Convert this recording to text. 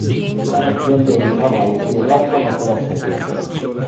La región de Orizaba y Río Blanco no fue la excepción.